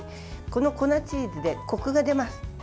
この粉チーズでこくが出ます。